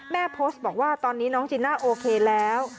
โพสต์บอกว่าตอนนี้น้องจีน่าโอเคแล้ว